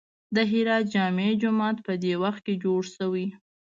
د هرات جامع جومات په دې وخت کې جوړ شوی.